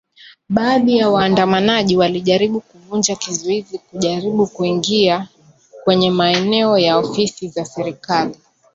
baadhi ya waandamanaji walijaribu kuvunja kizuizi kujaribu kuingia kwenye maeneo ya ofisi za serikali